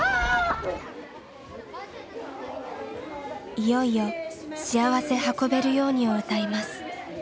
いよいよ「しあわせ運べるように」を歌います。